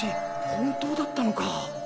本当だったのか。